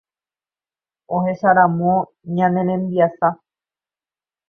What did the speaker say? Ohecharamo ñane rembiasa